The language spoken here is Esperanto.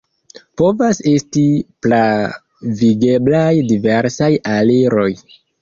Povas esti pravigeblaj diversaj aliroj.